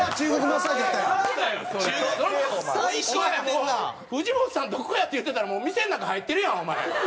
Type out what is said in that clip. お前「フジモンさんどこや？」って言ってたらもう店の中入ってるやんお前。